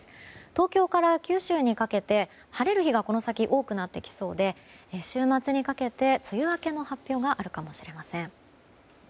東京から九州にかけて晴れる日がこの先多くなってきそうで週末にかけて梅雨明けの発表があるかもしれません。